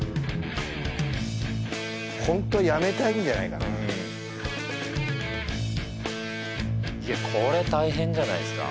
ホントはやめたいんじゃないかなこれ大変じゃないすか？